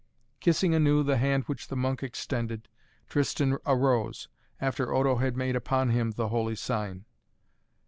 Kissing anew the hand which the monk extended, Tristan arose, after Odo had made upon him the holy sign.